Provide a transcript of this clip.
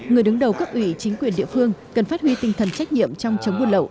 người đứng đầu cấp ủy chính quyền địa phương cần phát huy tinh thần trách nhiệm trong chống buôn lậu